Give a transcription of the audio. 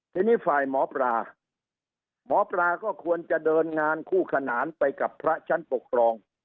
ทีนี้ฝ่ายหมอปลาหมอปลาก็ควรจะเดินงานคู่ขนานไปกับพระชั้นปกครอง